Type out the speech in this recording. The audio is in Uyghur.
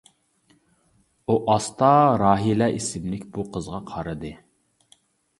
ئۇ ئاستا راھىلە ئىسىملىك بۇ قىزغا قارىدى.